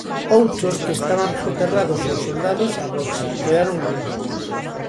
Outros, que estaban soterrados ou soldados á rocha, quedaron alí.